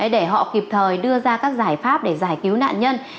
để họ kịp thời đưa ra các giải pháp để giải cứu nạn nhân